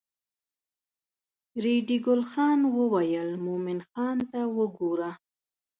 ریډي ګل خان وویل مومن خان ته وګوره.